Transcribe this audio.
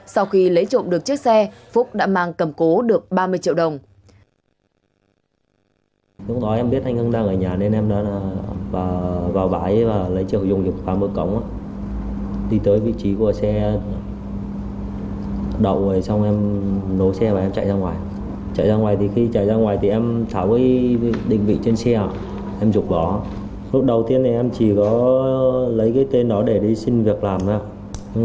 sau khi lấy trộm được chiếc xe phúc đã mang cầm cố được ba mươi triệu đồng